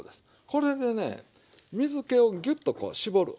これでね水けをギュッとこう絞る。